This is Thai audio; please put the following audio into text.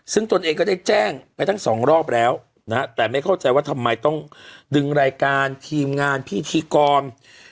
ซึ่งตนเองก็ได้แจ้งไปทั้งสองรอบแล้วนะฮะแต่ไม่เข้าใจว่าทำไมต้องดึงรายการทีมงานพิธีกร